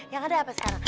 yang ada apa sekarang